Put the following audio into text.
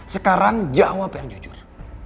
sekarang jawab yang jujur